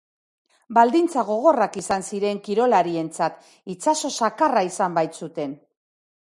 Baldintza gogorrak izan ziren kirolarientzat, itsaso zakarra izan baitzuten.